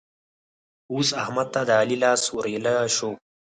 اوس احمد ته د علي لاس ور ايله شو.